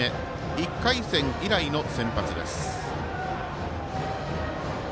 １回戦以来の先発です。